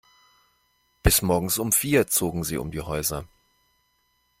Bis morgens um vier zogen sie um die Häuser.